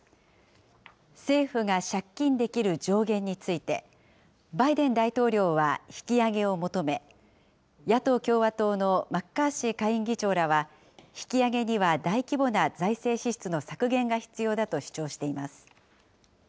政府が借金できる上限について、バイデン大統領は引き上げを求め、野党・共和党のマッカーシー下院議長らは、引き上げには大規模な財政支出の削減が必要だと主張しています。